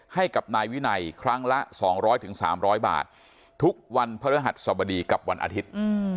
ให้กับนายวินัยครั้งละสองร้อยถึงสามร้อยบาททุกวันพระฤหัสสวบดีกับวันอาทิตย์